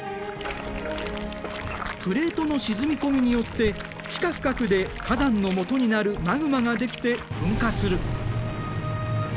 プレートの沈み込みによって地下深くで火山のもとになるマグマができて噴火する。